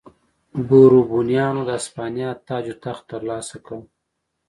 بوروبونیانو د هسپانیا تاج و تخت ترلاسه کړ.